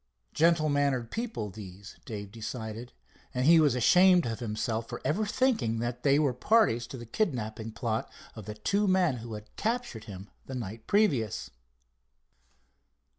Gentle mannered people these, Dave decided, and he was ashamed of himself for ever thinking that they were parties to the kidnapping plot of the two men who had captured him the night previous.